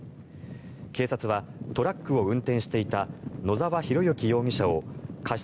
警察はトラックを運転していた野沢博幸容疑者を過失